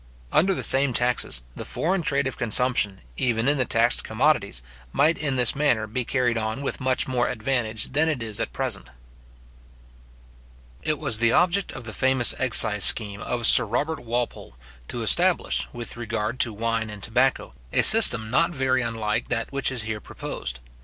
Under the same taxes, the foreign trade of consumption, even in the taxed commodities, might in this manner be carried on with much more advantage than it is at present. It was the object of the famous excise scheme of Sir Robert Walpole, to establish, with regard to wine and tobacco, a system not very unlike that which is here proposed.